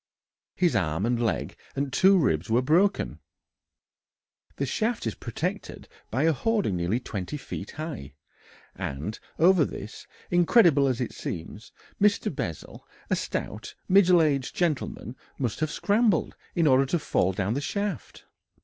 His arm and leg and two ribs were broken. The shaft is protected by a hoarding nearly 20 feet high, and over this, incredible as it seems, Mr. Bessel, a stout, middle aged gentleman, must have scrambled in order to fall down the shaft.